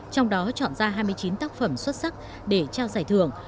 trong đó chọn ra hai mươi chín tác phẩm xuất sắc để trao giải thưởng